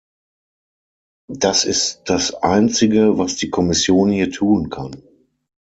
Das ist das Einzige, was die Kommission hier tun kann.